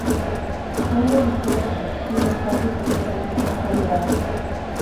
Suelo ligero, clima cálido, exposición soleada.